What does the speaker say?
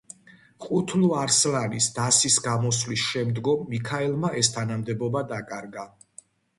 ყუთლუ-არსლანის დასის გამოსვლის შემდგომ მიქაელმა ეს თანამდებობა დაკარგა.